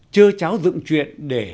chơ cháo dựng chuyện để